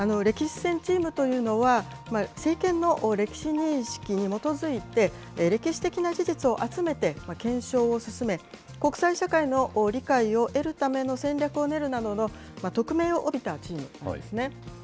歴史戦チームというのは、政権の歴史認識に基づいて、歴史的な事実を集めて、検証を進め、国際社会の理解を得るための戦略を練るなどの、特命をおびたチームなんですね。